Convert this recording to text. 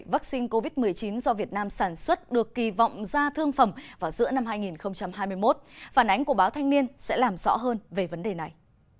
vaccine covid một mươi chín do việt nam sản xuất được kỳ vọng ra thương phẩm vào giữa năm hai nghìn hai mươi một phản ánh của báo thanh niên sẽ làm rõ hơn về vấn đề này